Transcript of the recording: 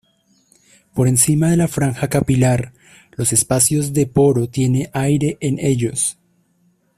Por encima de la franja capilar, los espacios de poro tiene aire en ellos.